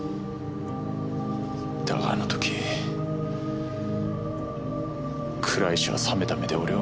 だがあの時倉石はさめた目で俺を見ていた。